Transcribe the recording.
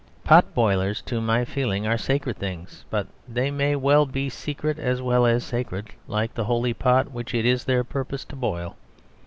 Pot boilers to my feeling are sacred things; but they may well be secret as well as sacred, like the holy pot which it is their purpose to boil.